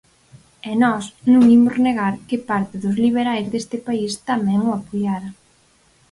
E nós non imos negar que parte dos liberais deste país tamén o apoiaran.